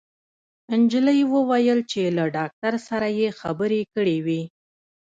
انجلۍ وويل چې له ډاکټر سره يې خبرې کړې وې